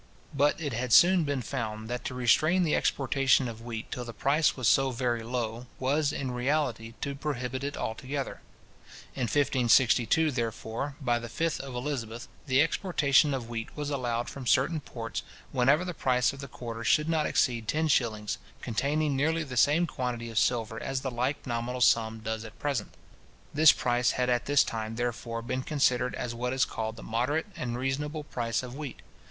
But it had soon been found, that to restrain the exportation of wheat till the price was so very low, was, in reality, to prohibit it altogether. In 1562, therefore, by the 5th of Elizabeth, the exportation of wheat was allowed from certain ports, whenever the price of the quarter should not exceed ten shillings, containing nearly the same quantity of silver as the like nominal sum does at present. This price had at this time, therefore, been considered as what is called the moderate and reasonable price of wheat.